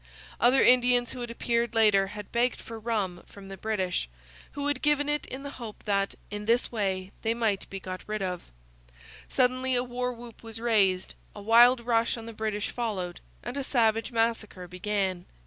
Other Indians, who had appeared later, had begged for rum from the British, who had given it in the hope that, in this way, they might be got rid of. Suddenly, a war whoop was raised, a wild rush on the British followed, and a savage massacre began.